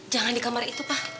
jangan di kamar itu pak